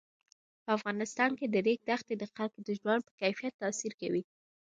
په افغانستان کې د ریګ دښتې د خلکو د ژوند په کیفیت تاثیر کوي.